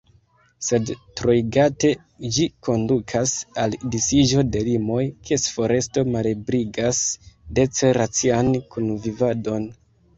Sed, troigate, ĝi kondukas al disiĝo de limoj, kies foresto malebligas dece racian kunvivadon.